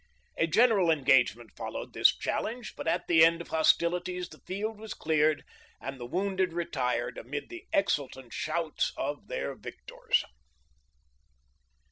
" A general engagement followed this challenge, but at the end of hostilities the field was cleared and the wounded retired amid the exultant shouts of their victors.